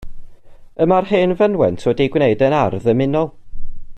Y mae'r hen fynwent wedi ei gwneud yn ardd ddymunol.